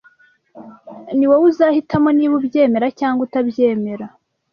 Niwowe uzahitamo niba ubyemera cyangwa utabyemera.